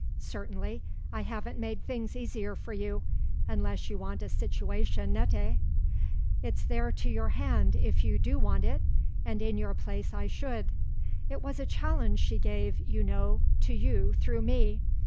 Certainly I haven't made things easier for you, unless you want a situation nette. It's there to your hand if you do want it, and in your place I should. It was a challenge she gave, you know, to you through me.